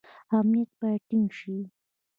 امنیت باید ټینګ شي